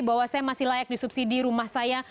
bahwa saya masih layak di subsidi rumah saya